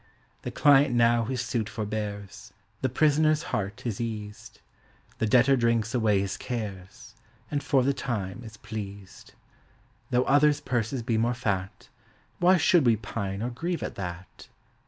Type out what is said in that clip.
The client now his suit forbears; The prisoner's heart is eased; The debtor drinks away his cares, And for the time is pleased. Though others' purses be more fat. Why should we pine or grieve at that?